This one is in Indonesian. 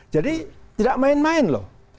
jadi tidak main main loh